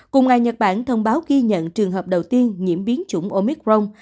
cùng ngày nhật bản thông báo ghi nhận trường hợp đầu tiên nhiễm biến chủng omicron